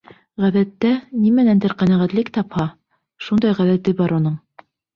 Ғәҙәттә, нимәнәндер ҡәнәғәтлек тапһа, шундай ғәҙәте бар уның.